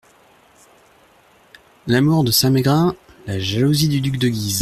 L’amour de Saint-Mégrin, la jalousie du duc de Guise…